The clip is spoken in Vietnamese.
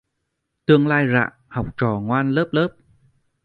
Tương lai rạng, học trò ngoan lớp lớp..